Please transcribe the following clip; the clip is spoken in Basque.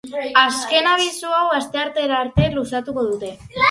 Azken abisu hau asteartera arte luzatuko dute.